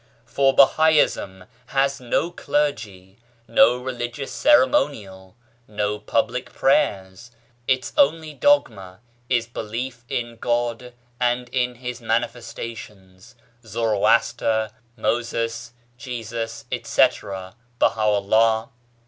For Bahaism has no clergy, no religious ceremonial, no public prayers ; its only dogma is belief in God and in His Manifestations (Zoroaster, Moses, Jesus, etc., Baha'u'llah).